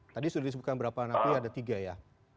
tadi sudah disebutkan berapa napi ada tiga ya